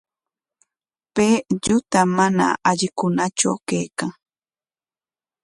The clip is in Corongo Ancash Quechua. Pay lluta mana allikunatraw kaykan.